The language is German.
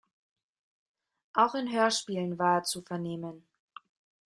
Auch in Hörspielen war er zu vernehmen.